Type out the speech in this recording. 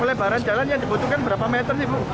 oleh barang jalan yang dibutuhkan berapa meter nih bu